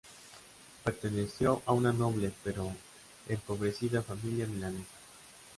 Perteneció a una noble pero empobrecida familia milanesa.